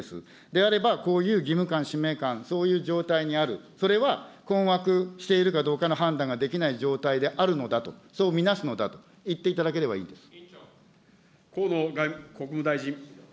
であれば、こういう義務感、使命感、そういう状態にある、それは困惑しているかどうかの判断ができない状態であるのだと、そう見なすのだと言っていただければいいんです。